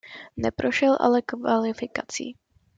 Neprošel ale kvalifikací.